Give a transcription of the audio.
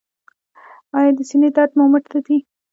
ایا د سینې درد مو مټ ته ځي؟